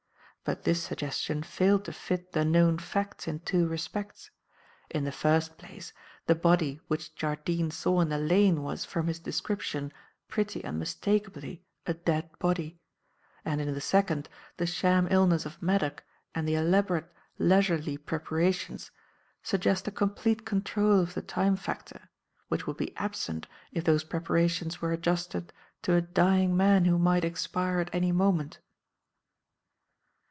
But this suggestion failed to fit the known facts in two respects, In the first place, the body which Jardine saw in the lane was, from his description, pretty unmistakably a dead body, and, in the second, the sham illness of Maddock and the elaborate, leisurely preparations suggest a complete control of the time factor, which would be absent if those preparations were adjusted to a dying man who might expire at any moment.